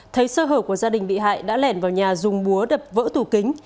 thấy sơ hở của gia đình bị hại đã lẻn vào nhà dùng búa đập vỡ tủ kính